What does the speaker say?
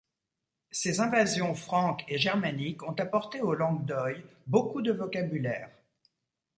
Ces invasions franques et germaniques ont apporté aux langues d’oïl beaucoup de vocabulaire.